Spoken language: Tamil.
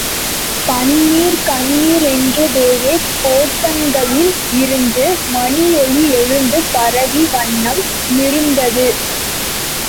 கணீர் கணீரென்றுதேவ கோட்டங்களில் இருந்து மணியொலி எழுந்து பரவிய வண்ண மிருந்தது.